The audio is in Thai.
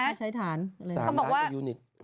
ไม่ใช้ฐานเลยสามร้านกว่ายูนิต